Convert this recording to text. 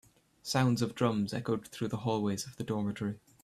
Sounds of drums echoed through the hallways of the dormitory.